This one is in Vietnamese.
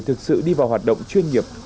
thực sự đi vào hoạt động chuyên nghiệp